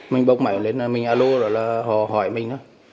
mình bốc máy lên mình alo là họ hỏi mình